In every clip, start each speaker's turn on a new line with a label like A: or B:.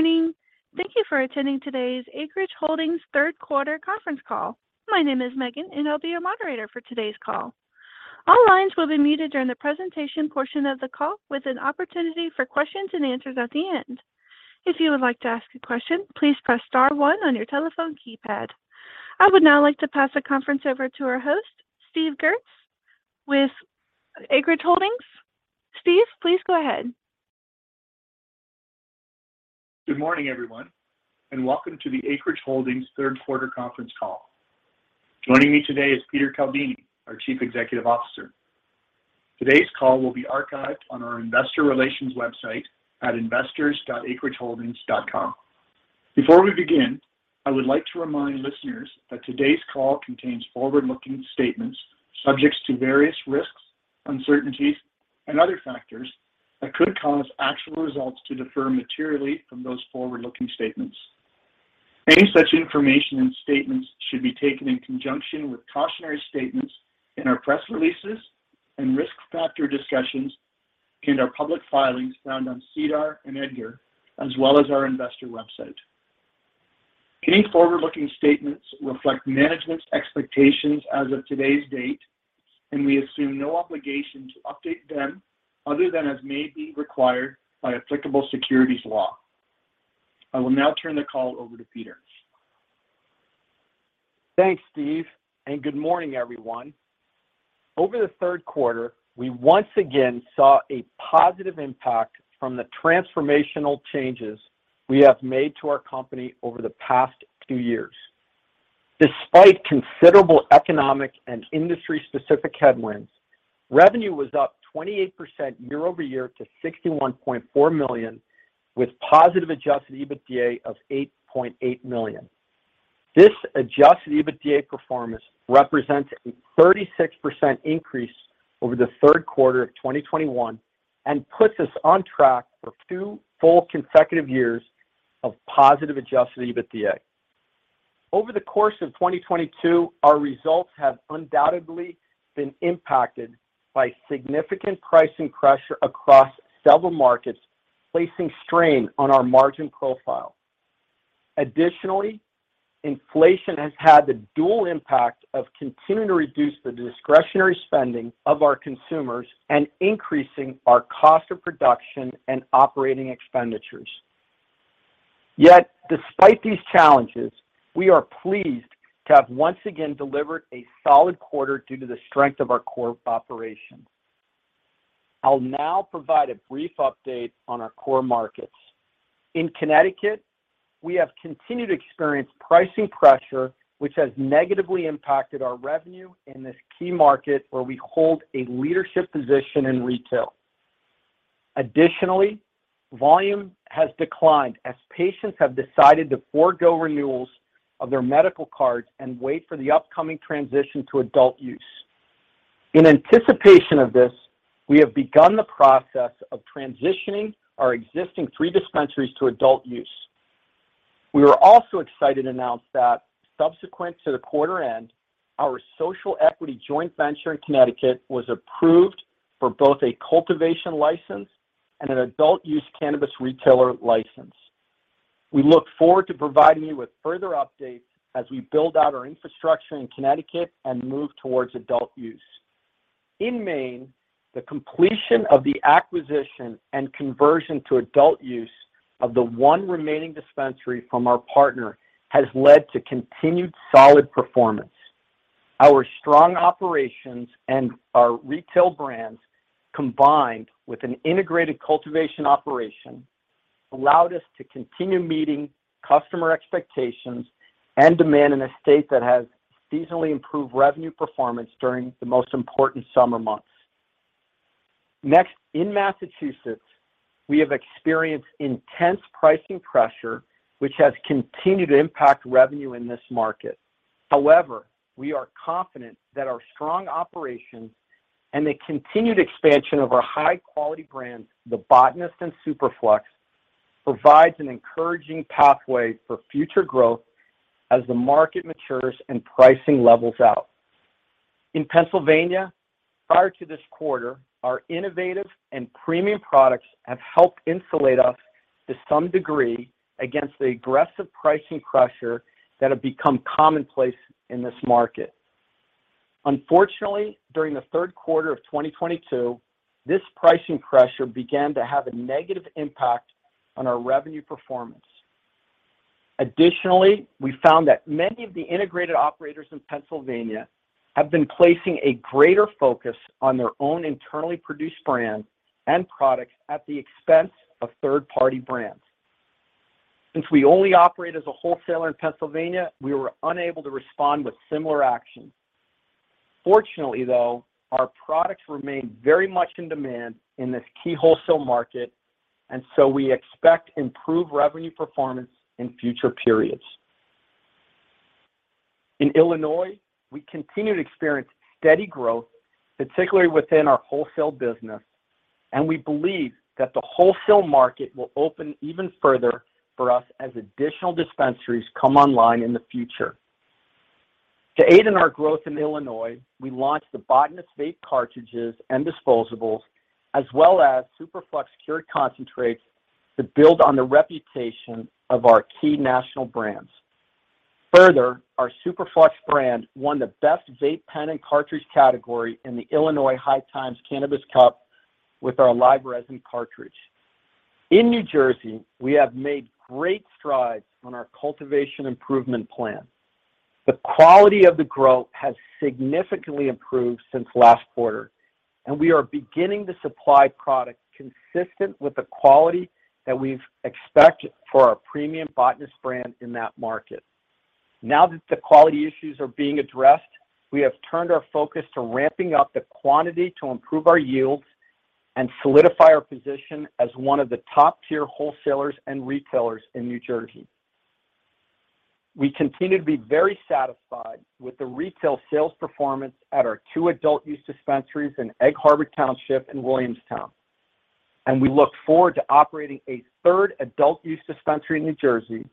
A: Good morning. Thank you for attending today's Acreage Holdings third quarter conference call. My name is Megan, and I'll be your moderator for today's call. All lines will be muted during the presentation portion of the call, with an opportunity for questions and answers at the end. If you would like to ask a question, please press star one on your telephone keypad. I would now like to pass the conference over to our host, Steve Goertz, with Acreage Holdings. Steve, please go ahead.
B: Good morning, everyone, and welcome to the Acreage Holdings third quarter conference call. Joining me today is Peter Caldini, our Chief Executive Officer. Today's call will be archived on our investor relations website at investors.acreageholdings.com. Before we begin, I would like to remind listeners that today's call contains forward-looking statements, subject to various risks, uncertainties, and other factors that could cause actual results to differ materially from those forward-looking statements. Any such information and statements should be taken in conjunction with cautionary statements in our press releases and risk factor discussions in our public filings found on SEDAR and EDGAR, as well as our investor website. Any forward-looking statements reflect management's expectations as of today's date, and we assume no obligation to update them other than as may be required by applicable securities law. I will now turn the call over to Peter.
C: Thanks, Steve, and good morning, everyone. Over the third quarter, we once again saw a positive impact from the transformational changes we have made to our company over the past two years. Despite considerable economic and industry-specific headwinds, revenue was up 28% year-over-year to $61.4 million, with positive adjusted EBITDA of $8.8 million. This adjusted EBITDA performance represents a 36% increase over the third quarter of 2021 and puts us on track for two full consecutive years of positive adjusted EBITDA. Over the course of 2022, our results have undoubtedly been impacted by significant pricing pressure across several markets, placing strain on our margin profile. Additionally, inflation has had the dual impact of continuing to reduce the discretionary spending of our consumers and increasing our cost of production and operating expenditures. Despite these challenges, we are pleased to have once again delivered a solid quarter due to the strength of our core operations. I'll now provide a brief update on our core markets. In Connecticut, we have continued to experience pricing pressure, which has negatively impacted our revenue in this key market where we hold a leadership position in retail. Additionally, volume has declined as patients have decided to forego renewals of their medical cards and wait for the upcoming transition to adult use. In anticipation of this, we have begun the process of transitioning our existing three dispensaries to adult use. We are also excited to announce that subsequent to the quarter end, our social equity joint venture in Connecticut was approved for both a cultivation license and an adult use cannabis retailer license. We look forward to providing you with further updates as we build out our infrastructure in Connecticut and move towards adult use. In Maine, the completion of the acquisition and conversion to adult use of the one remaining dispensary from our partner has led to continued solid performance. Our strong operations and our retail brands, combined with an integrated cultivation operation, allowed us to continue meeting customer expectations and demand in a state that has seasonally improved revenue performance during the most important summer months. Next, in Massachusetts, we have experienced intense pricing pressure, which has continued to impact revenue in this market. However, we are confident that our strong operations and the continued expansion of our high-quality brands, The Botanist and Superflux, provides an encouraging pathway for future growth as the market matures and pricing levels out. In Pennsylvania, prior to this quarter, our innovative and premium products have helped insulate us to some degree against the aggressive pricing pressure that have become commonplace in this market. Unfortunately, during the third quarter of 2022, this pricing pressure began to have a negative impact on our revenue performance. Additionally, we found that many of the integrated operators in Pennsylvania have been placing a greater focus on their own internally produced brands and products at the expense of third-party brands. Since we only operate as a wholesaler in Pennsylvania, we were unable to respond with similar action. Fortunately, though, our products remain very much in demand in this key wholesale market, and so we expect improved revenue performance in future periods. In Illinois, we continue to experience steady growth, particularly within our wholesale business, and we believe that the wholesale market will open even further for us as additional dispensaries come online in the future. To aid in our growth in Illinois, we launched The Botanist vape cartridges and disposables, as well as Superflux cured concentrates to build on the reputation of our key national brands. Further, our Superflux brand won the best vape pen and cartridge category in the Illinois High Times Cannabis Cup with our live resin cartridge. In New Jersey, we have made great strides on our cultivation improvement plan. The quality of the growth has significantly improved since last quarter, and we are beginning to supply product consistent with the quality that we expect for our premium The Botanist brand in that market. Now that the quality issues are being addressed, we have turned our focus to ramping up the quantity to improve our yields and solidify our position as one of the top-tier wholesalers and retailers in New Jersey. We continue to be very satisfied with the retail sales performance at our two adult use dispensaries in Egg Harbor Township and Williamstown, and we look forward to operating a third adult use dispensary in New Jersey,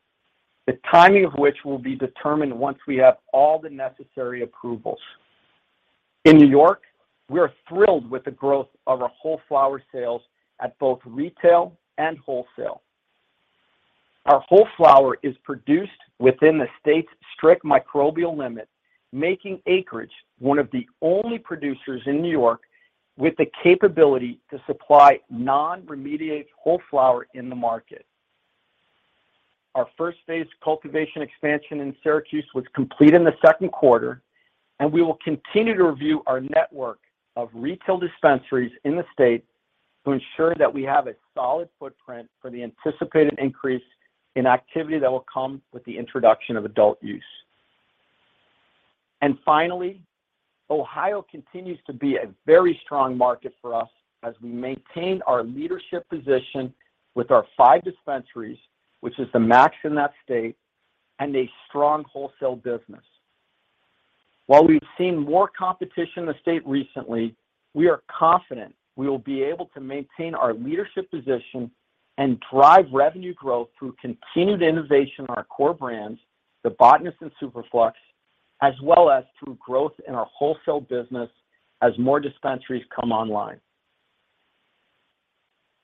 C: the timing of which will be determined once we have all the necessary approvals. In New York, we are thrilled with the growth of our whole flower sales at both retail and wholesale. Our whole flower is produced within the state's strict microbial limit, making Acreage one of the only producers in New York with the capability to supply non-remediated whole flower in the market. Our first phase cultivation expansion in Syracuse was complete in the second quarter. We will continue to review our network of retail dispensaries in the state to ensure that we have a solid footprint for the anticipated increase in activity that will come with the introduction of adult use. Finally, Ohio continues to be a very strong market for us as we maintain our leadership position with our five dispensaries, which is the max in that state, and a strong wholesale business. While we've seen more competition in the state recently, we are confident we will be able to maintain our leadership position and drive revenue growth through continued innovation in our core brands, The Botanist and Superflux, as well as through growth in our wholesale business as more dispensaries come online.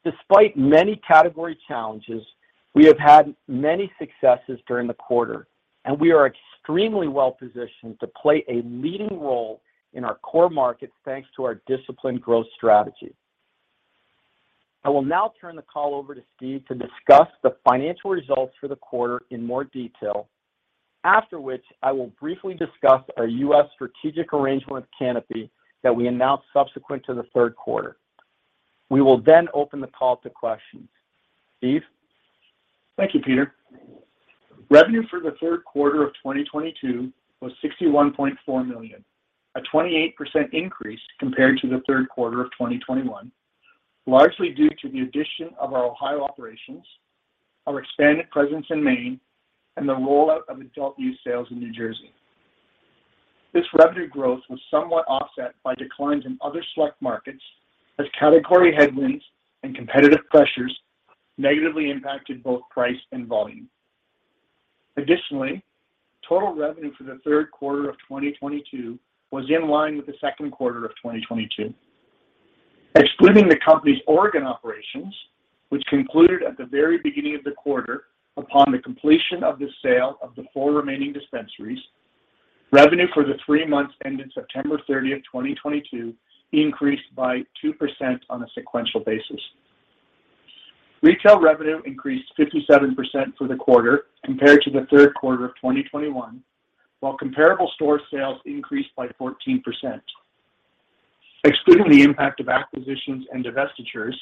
C: Despite many category challenges, we have had many successes during the quarter. We are extremely well-positioned to play a leading role in our core markets, thanks to our disciplined growth strategy. I will now turn the call over to Steve to discuss the financial results for the quarter in more detail, after which I will briefly discuss our U.S. strategic arrangement with Canopy that we announced subsequent to the third quarter. We will then open the call to questi87ons. Steve?
B: Thank you, Peter. Revenue for the third quarter of 2022 was $61.4 million, a 28% increase compared to the third quarter of 2021, largely due to the addition of our Ohio operations, our expanded presence in Maine, and the rollout of adult use sales in New Jersey. This revenue growth was somewhat offset by declines in other select markets as category headwinds and competitive pressures negatively impacted both price and volume. Total revenue for the third quarter of 2022 was in line with the second quarter of 2022. Excluding the company's Oregon operations, which concluded at the very beginning of the quarter upon the completion of the sale of the four remaining dispensaries, revenue for the three months ended September 30, 2022, increased by 2% on a sequential basis. Retail revenue increased 57% for the quarter compared to the third quarter of 2021, while comparable store sales increased by 14%. Excluding the impact of acquisitions and divestitures,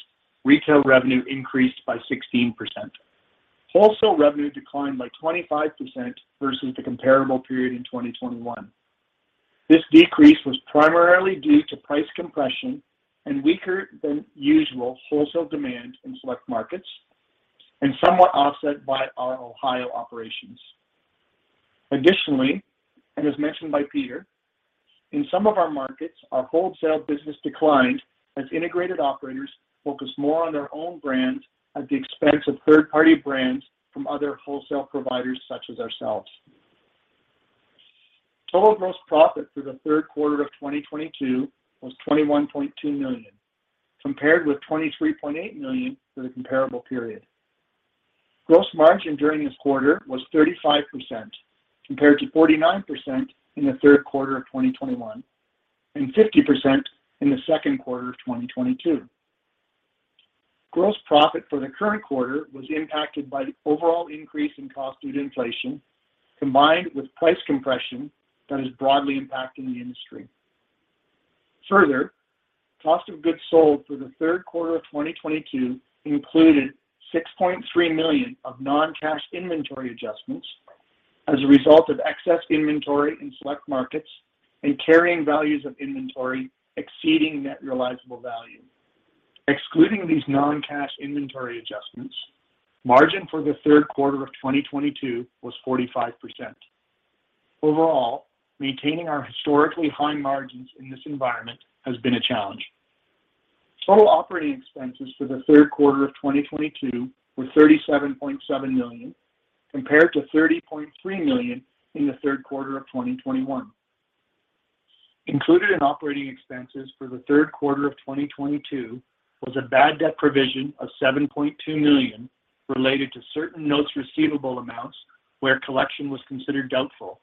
B: retail revenue increased by 16%. Wholesale revenue declined by 25% versus the comparable period in 2021. This decrease was primarily due to price compression and weaker than usual wholesale demand in select markets, and somewhat offset by our Ohio operations. As mentioned by Peter, in some of our markets, our wholesale business declined as integrated operators focused more on their own brands at the expense of third-party brands from other wholesale providers such as ourselves. Total gross profit for the third quarter of 2022 was $21.2 million, compared with $23.8 million for the comparable period. Gross margin during this quarter was 35%, compared to 49% in the third quarter of 2021, and 50% in the second quarter of 2022. Gross profit for the current quarter was impacted by the overall increase in cost due to inflation, combined with price compression that is broadly impacting the industry. Cost of goods sold for the third quarter of 2022 included $6.3 million of non-cash inventory adjustments as a result of excess inventory in select markets and carrying values of inventory exceeding net realizable value. Excluding these non-cash inventory adjustments, margin for the third quarter of 2022 was 45%. Overall, maintaining our historically high margins in this environment has been a challenge. Total operating expenses for the third quarter of 2022 were $37.7 million, compared to $30.3 million in the third quarter of 2021. Included in operating expenses for the third quarter of 2022 was a bad debt provision of $7.2 million related to certain notes receivable amounts where collection was considered doubtful.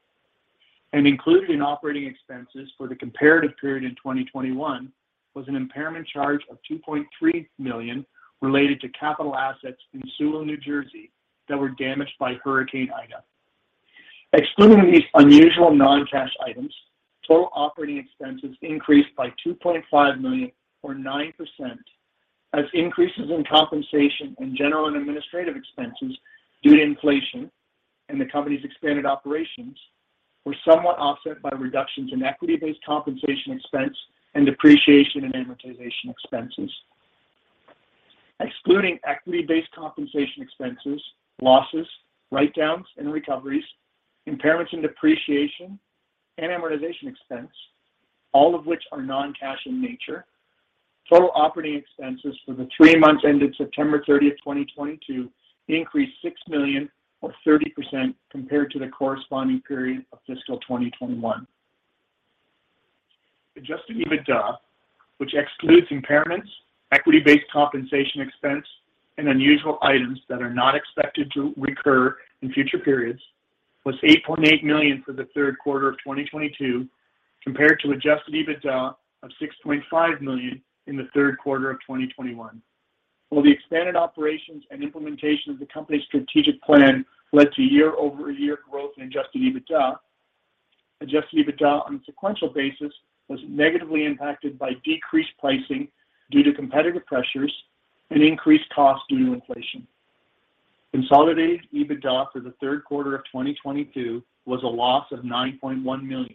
B: Included in operating expenses for the comparative period in 2021 was an impairment charge of $2.3 million related to capital assets in Sewell, New Jersey, that were damaged by Hurricane Ida. Excluding these unusual non-cash items, total operating expenses increased by $2.5 million, or 9%, as increases in compensation and general and administrative expenses due to inflation and the company's expanded operations were somewhat offset by reductions in equity-based compensation expense and depreciation and amortization expenses. Excluding equity-based compensation expenses, losses, write-downs and recoveries, impairments and depreciation, and amortization expense, all of which are non-cash in nature, total operating expenses for the three months ended September 30th, 2022, increased $6 million, or 30%, compared to the corresponding period of fiscal 2021. Adjusted EBITDA, which excludes impairments, equity-based compensation expense, and unusual items that are not expected to recur in future periods, was $8.8 million for the third quarter of 2022, compared to adjusted EBITDA of $6.5 million in the third quarter of 2021. While the expanded operations and implementation of the company's strategic plan led to year-over-year growth in adjusted EBITDA, adjusted EBITDA on a sequential basis was negatively impacted by decreased pricing due to competitive pressures and increased costs due to inflation. Consolidated EBITDA for the third quarter of 2022 was a loss of $9.1 million,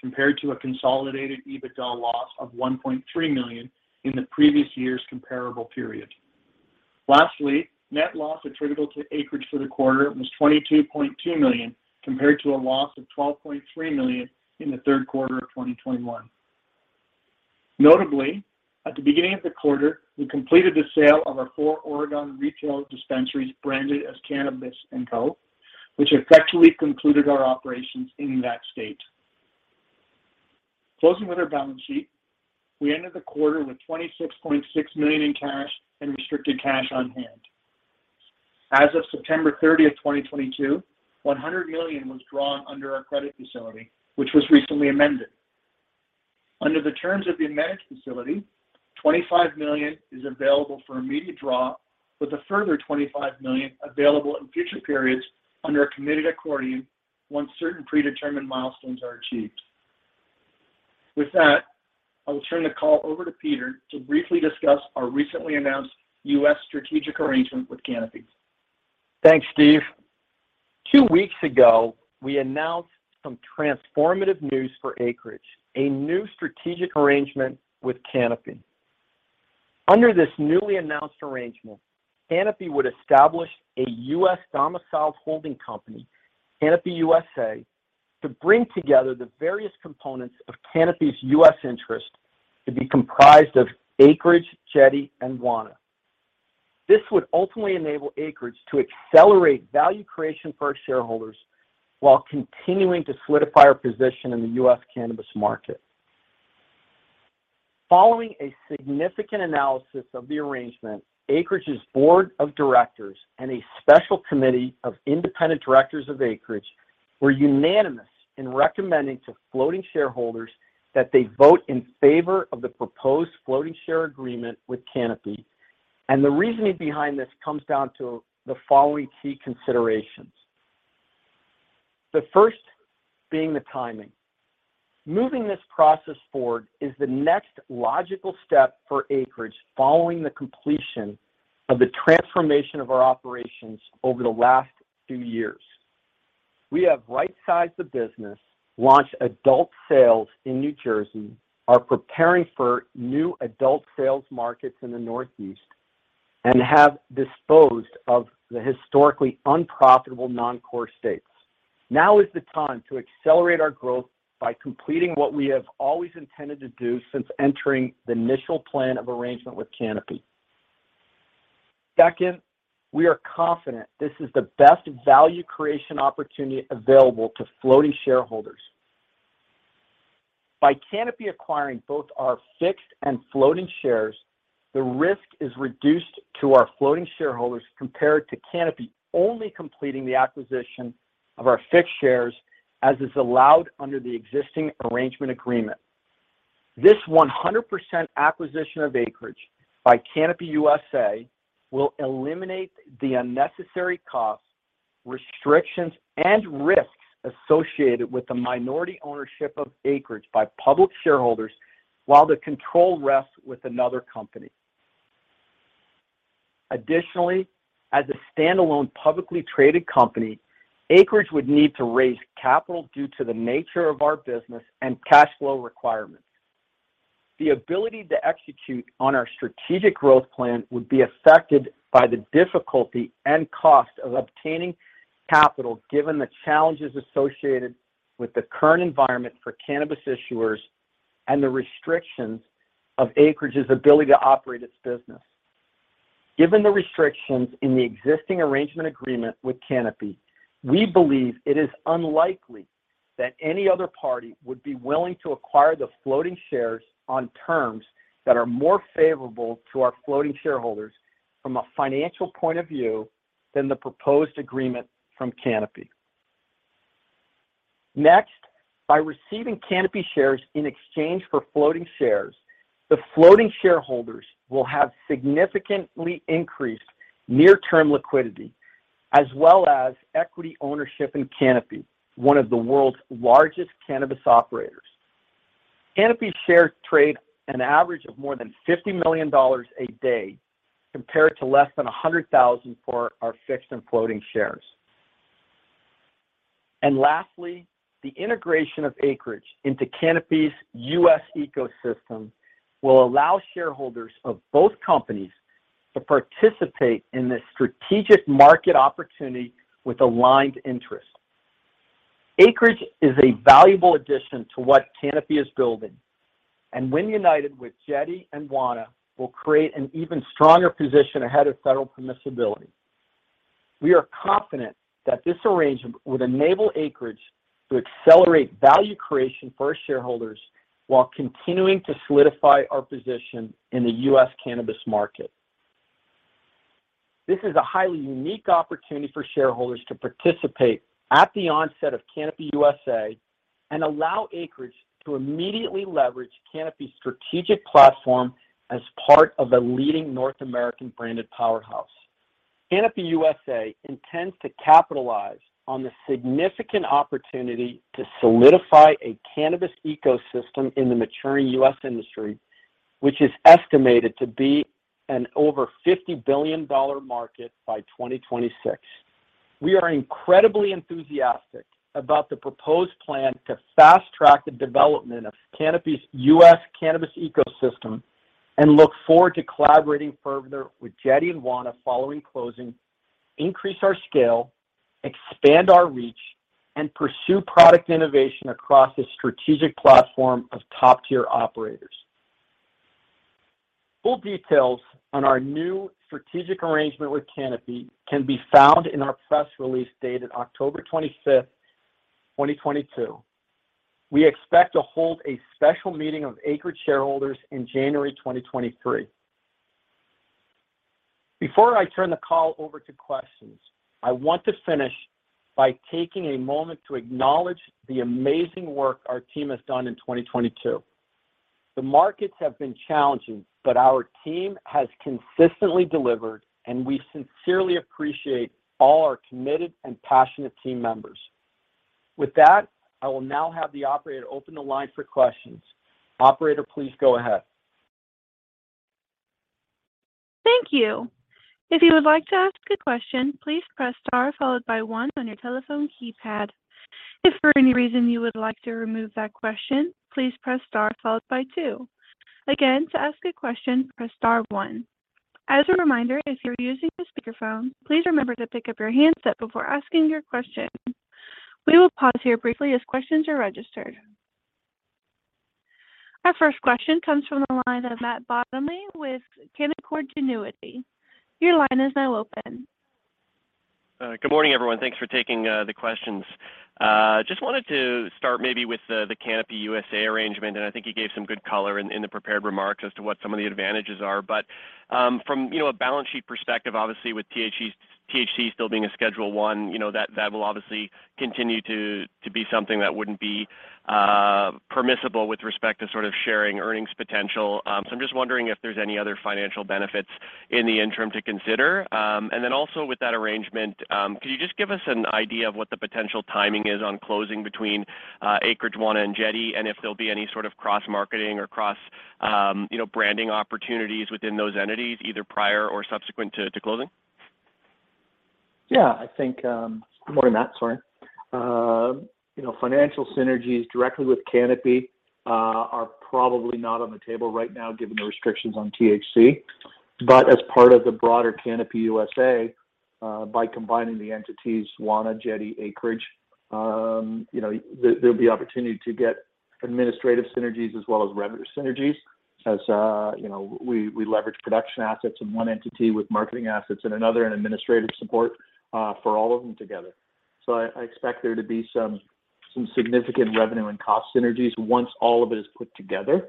B: compared to a consolidated EBITDA loss of $1.3 million in the previous year's comparable period. Lastly, net loss attributable to Acreage for the quarter was $22.2 million, compared to a loss of $12.3 million in the third quarter of 2021. Notably, at the beginning of the quarter, we completed the sale of our four Oregon retail dispensaries branded as Cannabis & Co., which effectively concluded our operations in that state. Closing with our balance sheet, we ended the quarter with $26.6 million in cash and restricted cash on hand. As of September 30th, 2022, $100 million was drawn under our credit facility, which was recently amended. Under the terms of the amended facility, $25 million is available for immediate draw, with a further $25 million available in future periods under a committed accordion once certain predetermined milestones are achieved. With that, I will turn the call over to Peter to briefly discuss our recently announced U.S. strategic arrangement with Canopy.
C: Thanks, Steve. Two weeks ago, we announced some transformative news for Acreage, a new strategic arrangement with Canopy. Under this newly announced arrangement, Canopy would establish a U.S. domiciled holding company, Canopy USA, to bring together the various components of Canopy's U.S. interest to be comprised of Acreage, Jetty, and Wana. This would ultimately enable Acreage to accelerate value creation for our shareholders while continuing to solidify our position in the U.S. cannabis market. Following a significant analysis of the arrangement, Acreage's Board of Directors and a special committee of independent directors of Acreage were unanimous in recommending to floating shareholders that they vote in favor of the proposed floating share agreement with Canopy. The reasoning behind this comes down to the following key considerations. The first being the timing. Moving this process forward is the next logical step for Acreage following the completion of the transformation of our operations over the last two years. We have right-sized the business, launched adult sales in New Jersey, are preparing for new adult sales markets in the Northeast, and have disposed of the historically unprofitable non-core states. Now is the time to accelerate our growth by completing what we have always intended to do since entering the initial plan of arrangement with Canopy. Second, we are confident this is the best value creation opportunity available to floating shareholders. By Canopy acquiring both our fixed and floating shares, the risk is reduced to our floating shareholders compared to Canopy only completing the acquisition of our fixed shares as is allowed under the existing arrangement agreement. This 100% acquisition of Acreage by Canopy USA will eliminate the unnecessary costs, restrictions, and risks associated with the minority ownership of Acreage by public shareholders while the control rests with another company. Additionally, as a standalone publicly traded company, Acreage would need to raise capital due to the nature of our business and cash flow requirements. The ability to execute on our strategic growth plan would be affected by the difficulty and cost of obtaining capital given the challenges associated with the current environment for cannabis issuers and the restrictions of Acreage's ability to operate its business. Given the restrictions in the existing arrangement agreement with Canopy, we believe it is unlikely that any other party would be willing to acquire the floating shares on terms that are more favorable to our floating shareholders from a financial point of view than the proposed agreement from Canopy. Next, by receiving Canopy shares in exchange for floating shares, the floating shareholders will have significantly increased near-term liquidity, as well as equity ownership in Canopy, one of the world's largest cannabis operators. Canopy shares trade an average of more than $50 million a day, compared to less than $100,000 for our fixed and floating shares. Lastly, the integration of Acreage into Canopy's U.S. ecosystem will allow shareholders of both companies to participate in this strategic market opportunity with aligned interests. Acreage is a valuable addition to what Canopy is building, and when united with Jetty and Wana, will create an even stronger position ahead of federal permissibility. We are confident that this arrangement would enable Acreage to accelerate value creation for our shareholders while continuing to solidify our position in the U.S. cannabis market. This is a highly unique opportunity for shareholders to participate at the onset of Canopy USA and allow Acreage to immediately leverage Canopy's strategic platform as part of a leading North American branded powerhouse. Canopy USA intends to capitalize on the significant opportunity to solidify a cannabis ecosystem in the maturing U.S. industry, which is estimated to be an over $50 billion market by 2026. We are incredibly enthusiastic about the proposed plan to fast-track the development of Canopy's U.S. cannabis ecosystem and look forward to collaborating further with Jetty and Wana following closing, increase our scale, expand our reach, and pursue product innovation across the strategic platform of top-tier operators. Full details on our new strategic arrangement with Canopy can be found in our press release dated October 25th, 2022. We expect to hold a special meeting of Acreage shareholders in January 2023. Before I turn the call over to questions, I want to finish by taking a moment to acknowledge the amazing work our team has done in 2022. The markets have been challenging, but our team has consistently delivered, and we sincerely appreciate all our committed and passionate team members. With that, I will now have the operator open the line for questions. Operator, please go ahead.
A: Thank you. If you would like to ask a question, please press star followed by one on your telephone keypad. If for any reason you would like to remove that question, please press star followed by two. Again, to ask a question, press star one. As a reminder, if you're using a speakerphone, please remember to pick up your handset before asking your question. We will pause here briefly as questions are registered. Our first question comes from the line of Matt Bottomley with Canaccord Genuity. Your line is now open.
D: Good morning, everyone. Thanks for taking the questions. Just wanted to start maybe with the Canopy USA arrangement, I think you gave some good color in the prepared remarks as to what some of the advantages are. From a balance sheet perspective, obviously, with THC still being a Schedule I, that will obviously continue to be something that wouldn't be permissible with respect to sharing earnings potential. I'm just wondering if there's any other financial benefits in the interim to consider. Also with that arrangement, could you just give us an idea of what the potential timing is on closing between Acreage, Wana, and Jetty, and if there'll be any sort of cross-marketing or cross-branding opportunities within those entities, either prior or subsequent to closing?
C: Good morning, Matt. Sorry. Financial synergies directly with Canopy are probably not on the table right now, given the restrictions on THC. As part of the broader Canopy USA, by combining the entities, Wana, Jetty, Acreage, there'll be opportunity to get administrative synergies as well as revenue synergies as we leverage production assets in one entity with marketing assets in another, and administrative support for all of them together. I expect there to be some significant revenue and cost synergies once all of it is put together,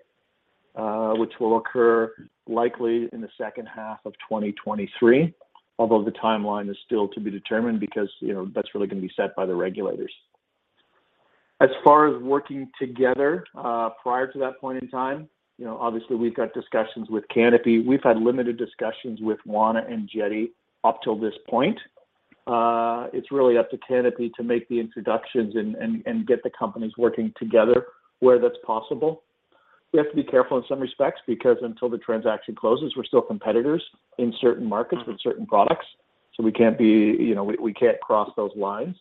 C: which will occur likely in the second half of 2023, although the timeline is still to be determined because that's really going to be set by the regulators. As far as working together, prior to that point in time, obviously we've got discussions with Canopy. We've had limited discussions with Wana and Jetty up till this point. It's really up to Canopy to make the introductions and get the companies working together where that's possible. We have to be careful in some respects, because until the transaction closes, we're still competitors in certain markets with certain products, so we can't cross those lines.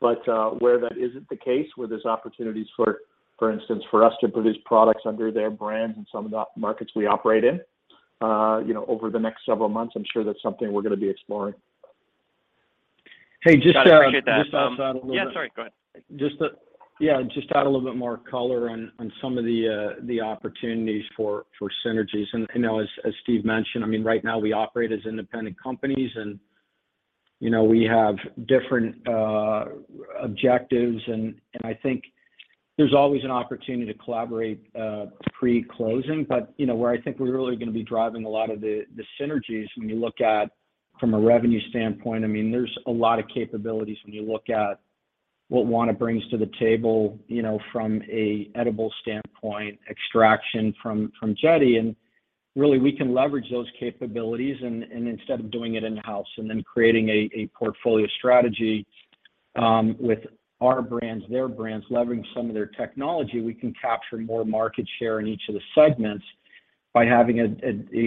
C: Where that isn't the case, where there's opportunities, for instance, for us to produce products under their brands in some of the markets we operate in, over the next several months, I'm sure that's something we're going to be exploring.
D: Got to appreciate that.
C: just to add a little bit.
D: Yeah, sorry. Go ahead.
C: Yeah, just to add a little bit more color on some of the opportunities for synergies. I know, as Steve mentioned, right now we operate as independent companies, and we have different objectives. I think there's always an opportunity to collaborate pre-closing, but where I think we're really going to be driving a lot of the synergies when you look at from a revenue standpoint, there's a lot of capabilities when you look at what Wana brings to the table, from a edible standpoint, extraction from Jetty, and really, we can leverage those capabilities, and instead of doing it in-house, and then creating a portfolio strategy with our brands, their brands, leveraging some of their technology, we can capture more market share in each of the segments by having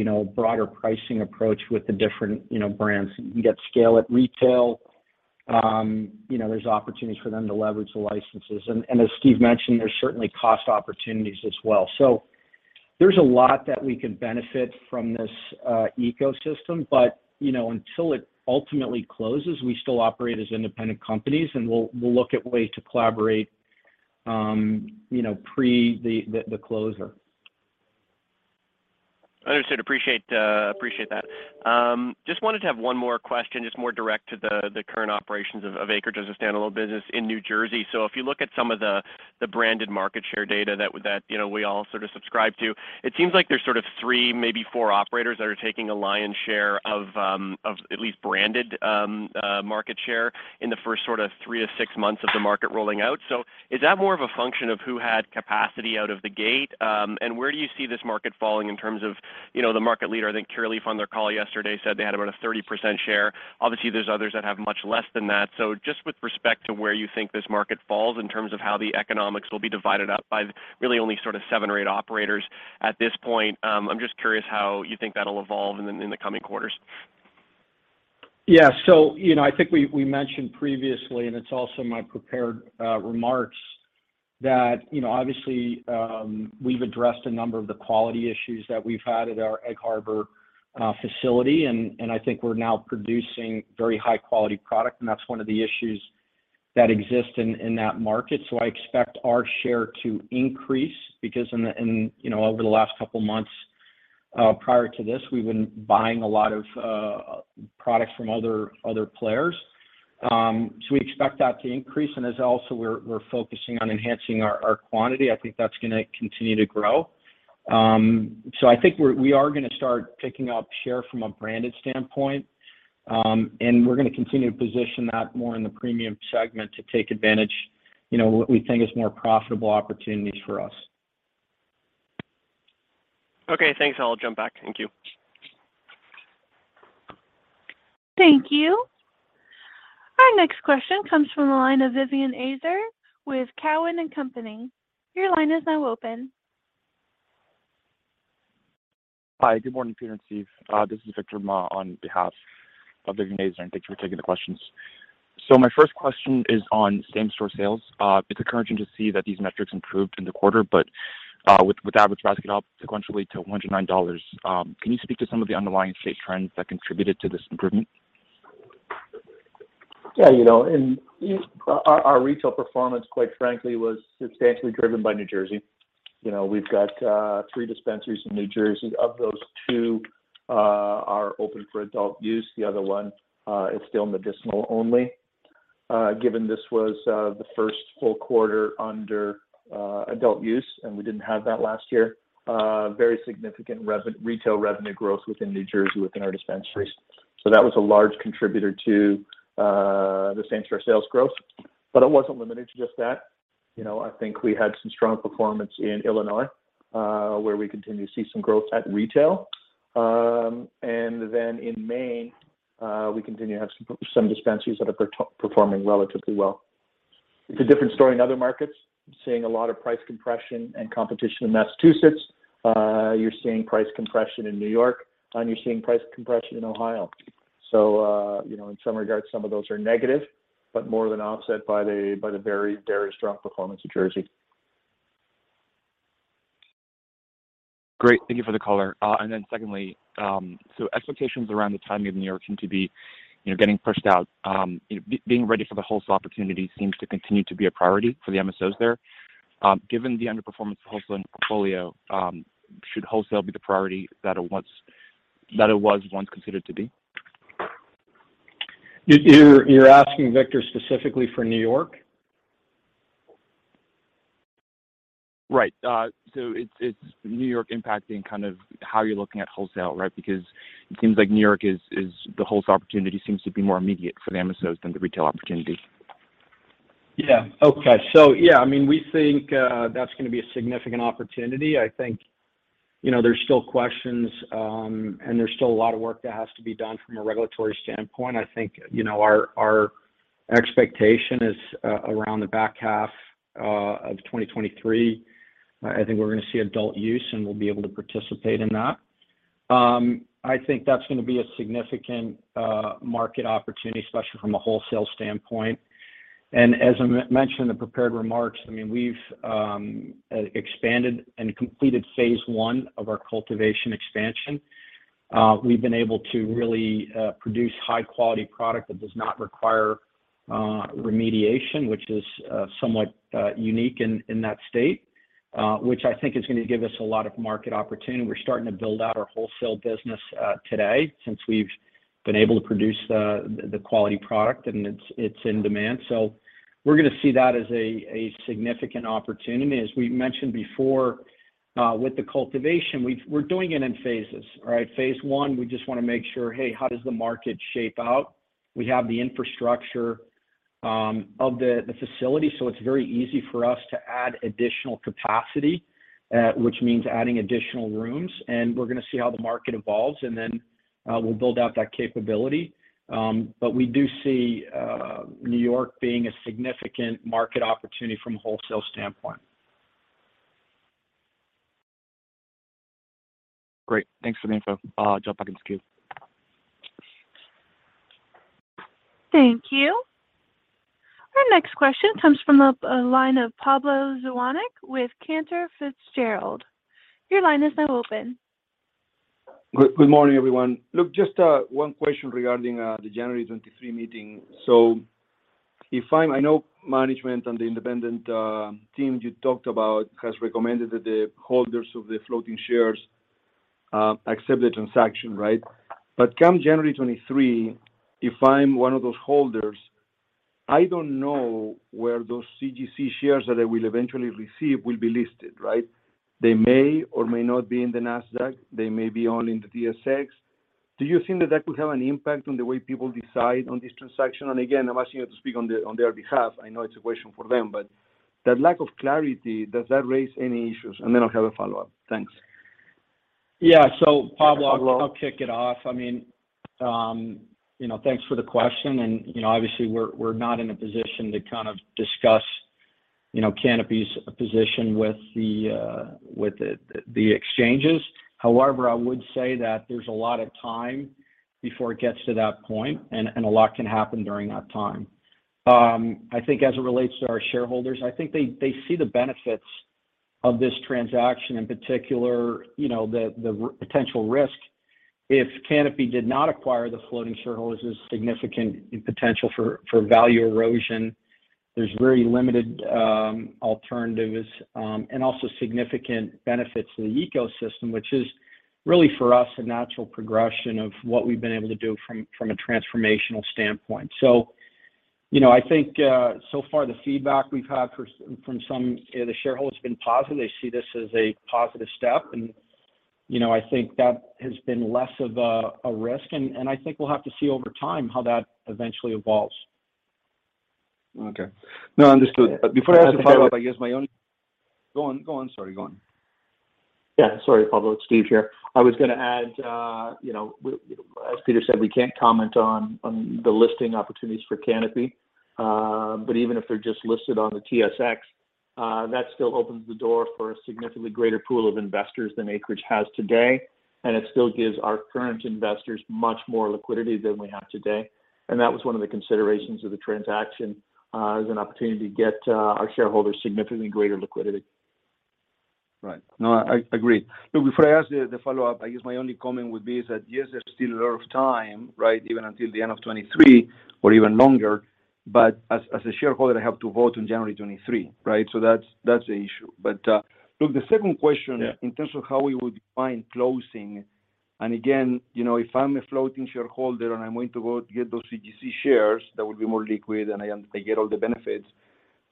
C: a broader pricing approach with the different brands. You get scale at retail. There's opportunities for them to leverage the licenses. As Steve mentioned, there's certainly cost opportunities as well. There's a lot that we can benefit from this ecosystem. Until it ultimately closes, we still operate as independent companies, and we'll look at ways to collaborate pre the closer.
D: Understood. Appreciate that. Just wanted to have one more question, just more direct to the current operations of Acreage as a standalone business in New Jersey. If you look at some of the branded market share data that we all sort of subscribe to, it seems like there's sort of three, maybe four operators that are taking a lion's share of at least branded market share in the first three to six months of the market rolling out. Is that more of a function of who had capacity out of the gate? Where do you see this market falling in terms of the market leader? I think Curaleaf on their call yesterday said they had about a 30% share. Obviously, there's others that have much less than that. With respect to where you think this market falls in terms of how the economics will be divided up by really only sort of seven or eight operators at this point. I'm just curious how you think that'll evolve in the coming quarters.
C: I think we mentioned previously, and it's also in my prepared remarks, that obviously, we've addressed a number of the quality issues that we've had at our Egg Harbor facility, and I think we're now producing very high quality product, and that's one of the issues that exist in that market. I expect our share to increase because over the last couple of months, prior to this, we've been buying a lot of product from other players. We expect that to increase, and as also we're focusing on enhancing our quantity. I think that's going to continue to grow. I think we are going to start picking up share from a branded standpoint, and we're going to continue to position that more in the premium segment to take advantage what we think is more profitable opportunities for us.
D: Okay, thanks. I'll jump back. Thank you.
A: Thank you. Our next question comes from the line of Vivien Azer with Cowen and Company. Your line is now open.
E: Hi, good morning, Peter and Steve. This is Victor Ma on behalf of Vivien Azer, thanks for taking the questions. My first question is on same-store sales. It's encouraging to see that these metrics improved in the quarter, but with average basket up sequentially to $109, can you speak to some of the underlying state trends that contributed to this improvement?
C: Yeah. Our retail performance, quite frankly, was substantially driven by New Jersey. We've got three dispensaries in New Jersey. Of those, two are open for adult use. The other one is still medicinal only. Given this was the first full quarter under adult use and we didn't have that last year, very significant retail revenue growth within New Jersey within our dispensaries. That was a large contributor to the same-store sales growth, but it wasn't limited to just that. I think we had some strong performance in Illinois, where we continue to see some growth at retail. In Maine, we continue to have some dispensaries that are performing relatively well. It's a different story in other markets. Seeing a lot of price compression and competition in Massachusetts. You're seeing price compression in New York, and you're seeing price compression in Ohio. In some regards, some of those are negative, but more than offset by the very strong performance in Jersey.
E: Great. Thank you for the color. Secondly, expectations around the timing of New York seem to be getting pushed out. Being ready for the wholesale opportunity seems to continue to be a priority for the MSOs there. Given the underperformance of the wholesaling portfolio, should wholesale be the priority that it was once considered to be?
C: You're asking, Victor, specifically for N.Y.?
E: Right. It's N.Y. impacting kind of how you're looking at wholesale, right? It seems like the wholesale opportunity seems to be more immediate for the MSOs than the retail opportunity.
C: Yeah. Okay. Yeah, we think that's going to be a significant opportunity. I think there's still questions, and there's still a lot of work that has to be done from a regulatory standpoint. I think our expectation is around the back half of 2023. I think we're going to see adult use, and we'll be able to participate in that. I think that's going to be a significant market opportunity, especially from a wholesale standpoint. As I mentioned in the prepared remarks, we've expanded and completed phase 1 of our cultivation expansion. We've been able to really produce high-quality product that does not require remediation, which is somewhat unique in that state, which I think is going to give us a lot of market opportunity. We're starting to build out our wholesale business today, since we've been able to produce the quality product, and it's in demand. We're going to see that as a significant opportunity. As we mentioned before, with the cultivation, we're doing it in phases. Phase 1, we just want to make sure, how does the market shape out? We have the infrastructure of the facility, so it's very easy for us to add additional capacity, which means adding additional rooms, then we're going to see how the market evolves, and we'll build out that capability. We do see N.Y. being a significant market opportunity from a wholesale standpoint.
E: Great. Thanks for the info. I'll jump back in queue.
A: Thank you. Our next question comes from the line of Pablo Zuanic with Cantor Fitzgerald. Your line is now open.
F: Good morning, everyone. Look, just one question regarding the January 23 meeting. I know management and the independent team you talked about has recommended that the holders of the floating shares accept the transaction, right? Come January 23, if I'm one of those holders, I don't know where those CGC shares that I will eventually receive will be listed, right? They may or may not be in the Nasdaq. They may be all in the TSX. Do you think that that could have an impact on the way people decide on this transaction? Again, I'm asking you to speak on their behalf. I know it's a question for them, but that lack of clarity, does that raise any issues? Then I'll have a follow-up. Thanks.
C: Yeah. Pablo, I'll kick it off. Thanks for the question. Obviously we're not in a position to discuss Canopy's position with the exchanges. However, I would say that there's a lot of time before it gets to that point, and a lot can happen during that time. I think as it relates to our shareholders, I think they see the benefits of this transaction. In particular, the potential risk if Canopy did not acquire the floating shareholders is significant in potential for value erosion. There's very limited alternatives, and also significant benefits to the ecosystem, which is really, for us, a natural progression of what we've been able to do from a transformational standpoint. I think so far the feedback we've had from some of the shareholders has been positive. They see this as a positive step. I think that has been less of a risk. I think we'll have to see over time how that eventually evolves.
F: Okay. No, understood. Before I ask the follow-up, I guess Go on. Sorry, go on.
B: Yeah. Sorry, Pablo, it's Steve here. I was going to add, as Peter said, we can't comment on the listing opportunities for Canopy. Even if they're just listed on the TSX, that still opens the door for a significantly greater pool of investors than Acreage has today, and it still gives our current investors much more liquidity than we have today. That was one of the considerations of the transaction, as an opportunity to get our shareholders significantly greater liquidity.
F: Right. No, I agree. Look, before I ask the follow-up, I guess my only comment would be is that, yes, there's still a lot of time, even until the end of 2023, or even longer. As a shareholder, I have to vote on January 23. That's the issue. Look, the second question-
B: Yeah
F: In terms of how we would define closing, and again, if I'm a floating shareholder and I'm going to vote to get those CGC shares that will be more liquid and I get all the benefits,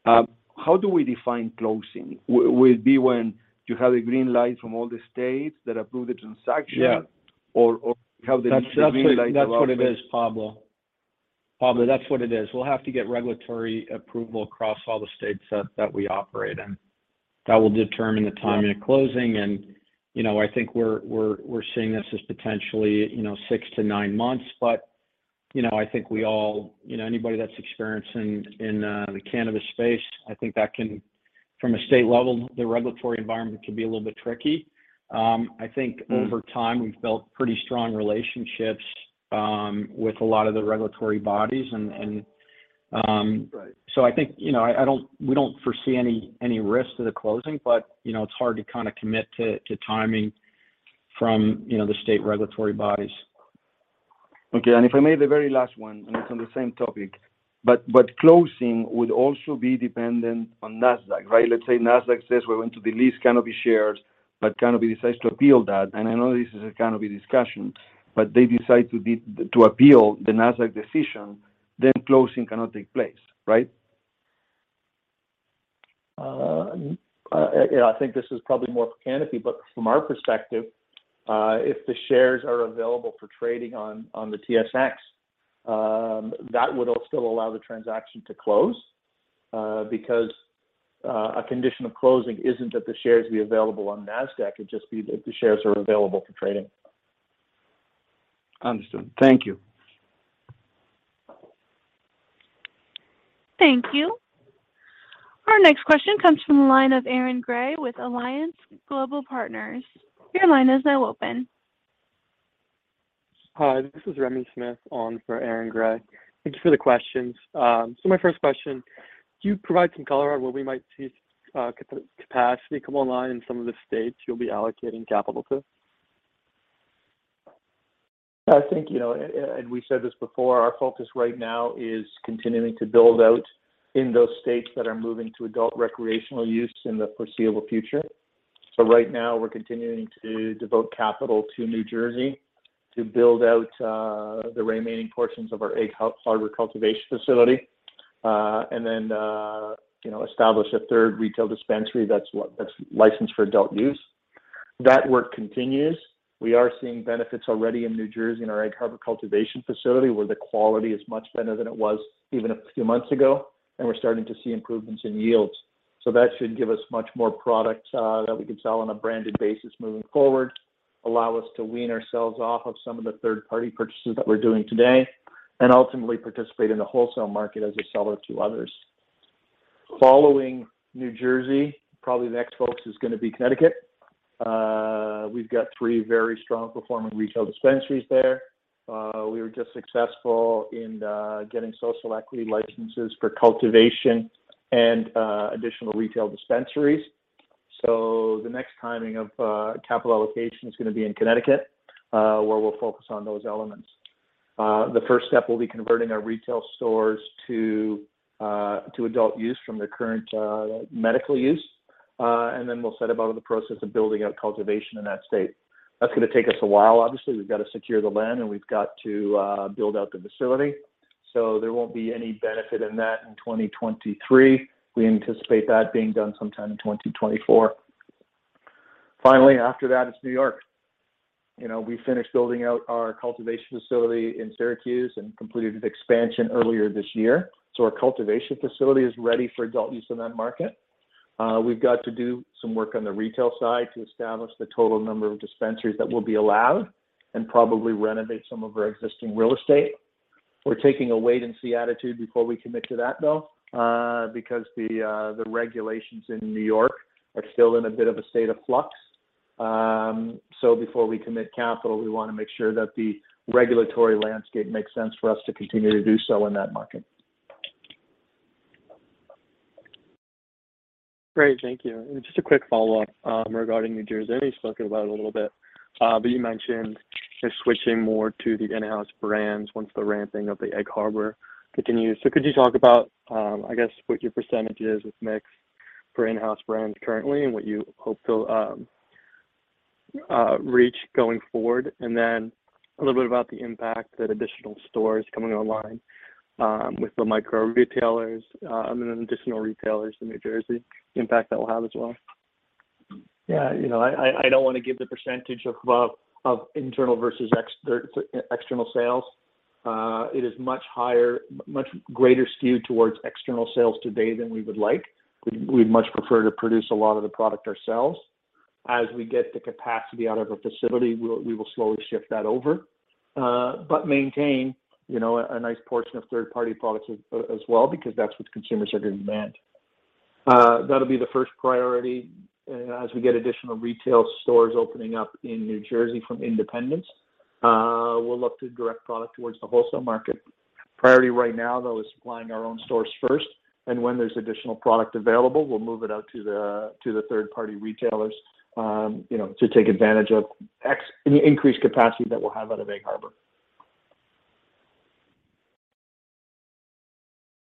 F: how do we define closing? Will it be when you have a green light from all the states that approve the transaction?
C: Yeah.
F: Have the need for a green light to
C: That's what it is, Pablo. We'll have to get regulatory approval across all the states that we operate in. That will determine the timing of closing, and I think we're seeing this as potentially six to nine months. I think anybody that's experienced in the cannabis space, I think from a state level, the regulatory environment can be a little bit tricky. I think over time, we've built pretty strong relationships with a lot of the regulatory bodies, and
F: Right
C: I think we don't foresee any risk to the closing, but it's hard to commit to timing from the state regulatory bodies.
F: Okay. If I may, the very last one, and it is on the same topic. Closing would also be dependent on Nasdaq, right? Let's say Nasdaq says we want to delist Canopy shares, Canopy decides to appeal that. I know this is a Canopy discussion, they decide to appeal the Nasdaq decision, closing cannot take place, right?
B: I think this is probably more for Canopy, but from our perspective, if the shares are available for trading on the TSX, that would still allow the transaction to close, because a condition of closing isn't that the shares be available on Nasdaq. It'd just be that the shares are available for trading.
F: Understood. Thank you.
A: Thank you. Our next question comes from the line of Aaron Grey with Alliance Global Partners. Your line is now open.
G: Hi, this is Remy Smith on for Aaron Grey. Thank you for the questions. My first question, could you provide some color on where we might see capacity come online in some of the states you'll be allocating capital to?
B: Our focus right now is continuing to build out in those states that are moving to adult recreational use in the foreseeable future. Right now, we're continuing to devote capital to New Jersey to build out the remaining portions of our Egg Harbor cultivation facility. Establish a third retail dispensary that's licensed for adult use. That work continues. We are seeing benefits already in New Jersey in our Egg Harbor cultivation facility, where the quality is much better than it was even a few months ago, and we're starting to see improvements in yields. That should give us much more product that we can sell on a branded basis moving forward, allow us to wean ourselves off of some of the third-party purchases that we're doing today, and ultimately participate in the wholesale market as a seller to others. Following New Jersey, probably the next focus is going to be Connecticut. We've got three very strong performing retail dispensaries there. We were just successful in getting social equity licenses for cultivation and additional retail dispensaries. The next timing of capital allocation is going to be in Connecticut, where we'll focus on those elements. The first step will be converting our retail stores to adult use from their current medical use, and then we'll set about the process of building out cultivation in that state. That's going to take us a while. Obviously, we've got to secure the land, and we've got to build out the facility. There won't be any benefit in that in 2023. We anticipate that being done sometime in 2024. Finally, after that, it's New York. We finished building out our cultivation facility in Syracuse and completed its expansion earlier this year. Our cultivation facility is ready for adult use in that market. We've got to do some work on the retail side to establish the total number of dispensaries that will be allowed and probably renovate some of our existing real estate. We're taking a wait and see attitude before we commit to that, though, because the regulations in New York are still in a bit of a state of flux. Before we commit capital, we want to make sure that the regulatory landscape makes sense for us to continue to do so in that market.
G: Great. Thank you. Just a quick follow-up regarding New Jersey. You spoke about it a little bit. You mentioned just switching more to the in-house brands once the ramping of the Egg Harbor continues. Could you talk about, I guess, what your percentage is with mix for in-house brands currently and what you hope to reach going forward? Then a little bit about the impact that additional stores coming online, with the micro retailers, I mean, additional retailers in New Jersey, the impact that will have as well.
B: Yeah. I don't want to give the percentage of internal versus external sales. It is much greater skewed towards external sales today than we would like. We'd much prefer to produce a lot of the product ourselves. As we get the capacity out of a facility, we will slowly shift that over. Maintain a nice portion of third-party products as well because that's what consumers are going to demand. That'll be the first priority as we get additional retail stores opening up in New Jersey from independents. We'll look to direct product towards the wholesale market. Priority right now, though, is supplying our own stores first. When there's additional product available, we'll move it out to the third-party retailers, to take advantage of any increased capacity that we'll have out of Egg Harbor.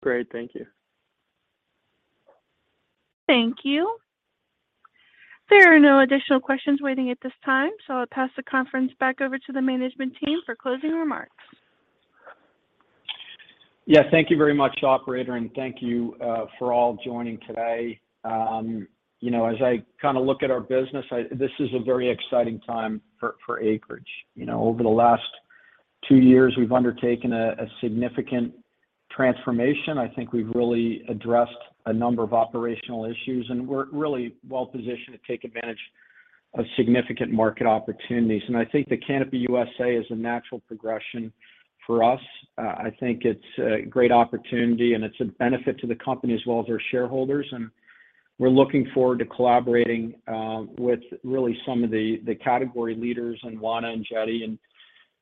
G: Great. Thank you.
A: Thank you. There are no additional questions waiting at this time, I'll pass the conference back over to the management team for closing remarks.
C: Yeah, thank you very much, operator, and thank you for all joining today. As I look at our business, this is a very exciting time for Acreage. Over the last two years, we've undertaken a significant transformation. I think we've really addressed a number of operational issues, and we're really well-positioned to take advantage of significant market opportunities. I think that Canopy USA is a natural progression for us. I think it's a great opportunity, and it's a benefit to the company as well as our shareholders, and we're looking forward to collaborating with really some of the category leaders in Wana and Jetty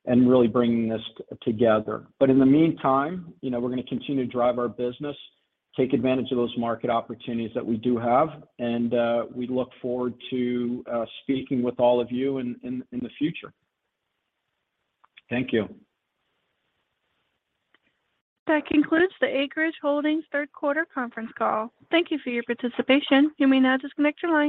C: and really bringing this together. In the meantime, we're going to continue to drive our business, take advantage of those market opportunities that we do have, and we look forward to speaking with all of you in the future. Thank you.
A: That concludes the Acreage Holdings Third Quarter Conference Call. Thank you for your participation. You may now disconnect your line.